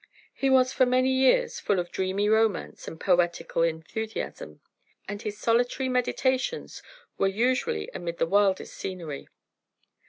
He was for many years full of dreamy romance and poetical enthusiasm, and his solitary meditations were usually amid the wildest scenery.